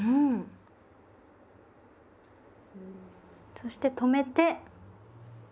そして止めて。